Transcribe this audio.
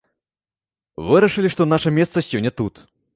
Вырашылі, што наша месца сёння тут.